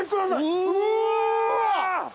うわ！